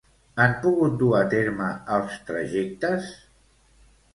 Han pogut dur a terme els trajectes?